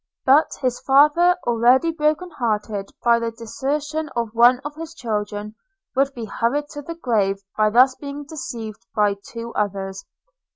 But his father, already broken hearted by the desertion of one of his children, would be hurried to the grave by thus being deceived by two others.